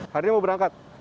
hari ini mau berangkat